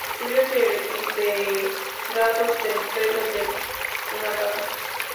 Se descubrió entre el empedrado del suelo de una casa.